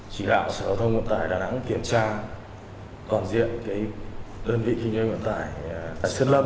chỉ đạo sở thông nguồn tài đà nẵng kiểm tra toàn diện đơn vị kinh doanh nguồn tài tại sơn lâm